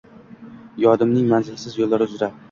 yodimning manzilsiz yo’llari uzra.